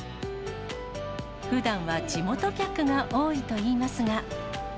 ふだんは地元客が多いといいますが。